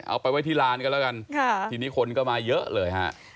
เอาไปไว้ที่ลานกันแล้วกันทีนี้คนก็มาเยอะเลยฮะ